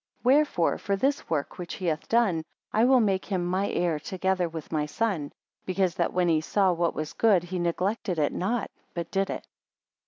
17 Wherefore, for this work which he hath done, I will make him my heir together with my son; because that when he saw what was good, he neglected it not, but did it.